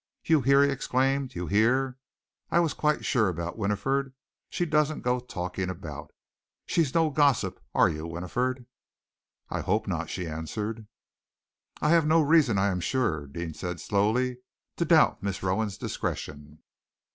"You hear?" he exclaimed. "You hear? I was quite sure about Winifred. She doesn't go talking about. She's no gossip, are you, Winifred?" "I hope not," she answered. "I have no reason, I am sure," Deane said slowly, "to doubt Miss Rowan's discretion."